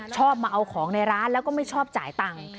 ชอบมาเอาของในร้านแล้วก็ไม่ชอบจ่ายตังค์